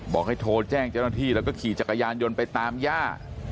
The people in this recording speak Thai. บอกให้โทรแจ้งเจ้าหน้าที่แล้วก็ขี่จักรยานยนต์ไปตามย่า